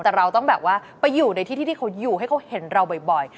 แต่เราต้องแบบว่าไปอยู่ในที่ที่ที่เขาอยู่ให้เขาเห็นเราบ่อย